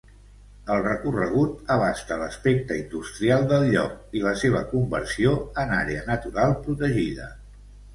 El recorregut abasta l'aspecte industrial del lloc i la seva conversió en àrea natural protegida.